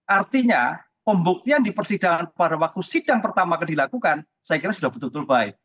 artinya pembuktian di persidangan pada waktu sidang pertama akan dilakukan saya kira sudah betul betul baik